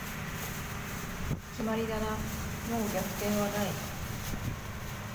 決まりだな、もう逆転はない